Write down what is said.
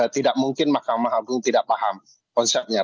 tidak mungkin mahkamah agung tidak paham konsepnya